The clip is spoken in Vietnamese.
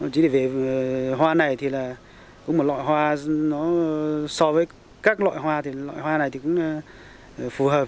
chỉ để về hoa này thì là cũng một loại hoa so với các loại hoa thì loại hoa này cũng phù hợp